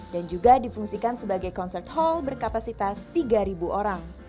dan juga difungsikan sebagai concert hall berkapasitas tiga orang